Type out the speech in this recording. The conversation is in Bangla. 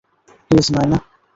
প্লিজ, নায়না।